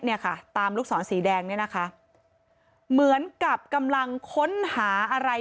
เนี่ยค่ะตามลูกศรสีแดงเนี่ยนะคะเหมือนกับกำลังค้นหาอะไร